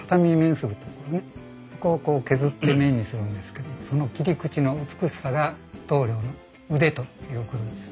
そこをこう削って面にするんですけどその切り口の美しさが棟りょうの腕ということです。